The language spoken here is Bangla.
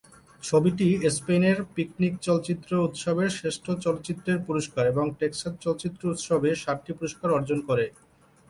ছবিটি স্পেনের পিকনিক চলচ্চিত্র উৎসবে শ্রেষ্ঠ চলচ্চিত্রের পুরস্কার, এবং টেক্সাস চলচ্চিত্র উৎসবে সাতটি পুরস্কার অর্জন করে।